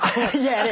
あれ？